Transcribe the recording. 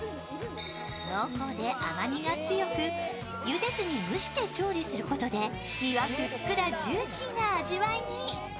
濃厚で甘みが強くゆでずに蒸して調理することで身はふっくらジューシーな味わいに。